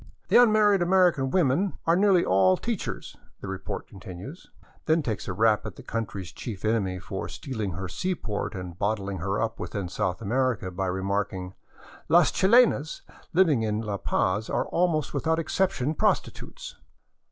" The unmarried American women are nearly all teach ers," the report continues, then takes a rap at the country's chief enemy for stealing her seaport and bottling her up within South America by remarking, *' Las chilenas living in La Paz are almost without excep tion prostitutes."